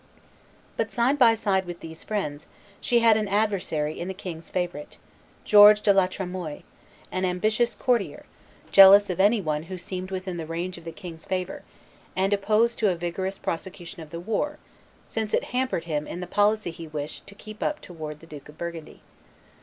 But, side by side with these friends, she had an adversary in the king's favorite, George de la Tremoille, an ambitious courtier, jealous of any one who seemed within the range of the king's favor, and opposed to a vigorous prosecution of the war, since it hampered him in the policy he wished to keep up towards the Duke of Burgundy.